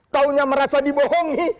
tahunya merasa dibohongi